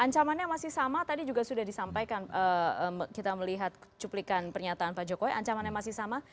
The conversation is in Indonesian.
ancamannya masih sama tadi juga sudah disampaikan kita melihat cuplikan pernyataan pak jokowi ancamannya masih sama